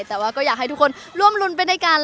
แต่ว่าก็อยากให้ทุกคนร่วมรุ้นไปด้วยกัน